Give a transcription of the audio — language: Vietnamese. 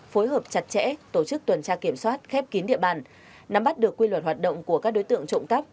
phối hợp chặt chẽ tổ chức tuần tra kiểm soát khép kín địa bàn nắm bắt được quy luật hoạt động của các đối tượng trộm cắp